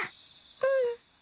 うん。